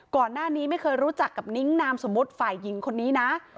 ก่อนหน้านี้ไม่เคยรู้จักกับนิ้งนามสมมุติฝ่ายหญิงคนนี้นะ